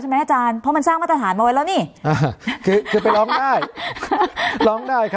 ใช่ไหมอาจารย์เพราะมันสร้างมาตรฐานมานี้